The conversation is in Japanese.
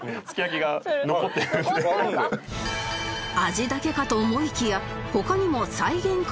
味だけかと思いきや他にも再現可能な部分が